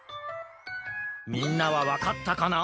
みんなはわかったかな？